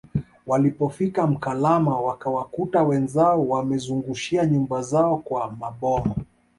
Walipofika Mkalama wakawakuta wenzao wamezungushia nyumba zao kwa Maboma